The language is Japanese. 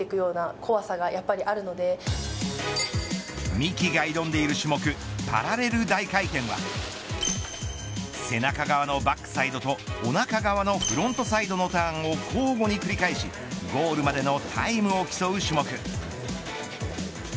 三木が挑んでいる種目パラレル大回転は背中側のバックサイドとお腹側のフロントサイドのターンを交互に繰り返しゴールまでのタイムを競う種目。